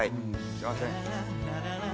すみません。